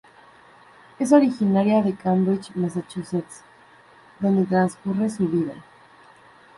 Es originaria de Cambridge, Massachusetts, donde transcurre su vida.